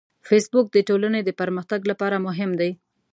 فېسبوک د ټولنې د پرمختګ لپاره مهم دی